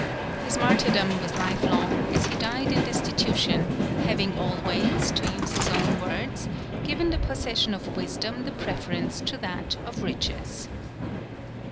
His martyrdom was lifelong, as he died in destitution, having always (to use his own words) given the possession of wisdom the preference to that of riches.